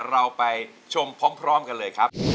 เราไปชมพร้อมกันเลยครับ